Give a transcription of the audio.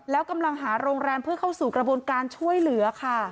แล้วกำลังหาโรงแรมเพื่อเข้าสู่กระบวนการช่วยเหลือค่ะ